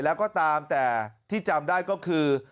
แล้วก็ตามแต่ที่จำได้ก็คือ